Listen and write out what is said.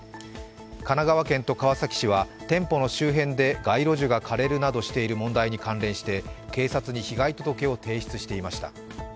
神奈川県と川崎市は店舗の周辺で街路樹が枯れるなどしている問題に関連して警察に被害届を提出していました。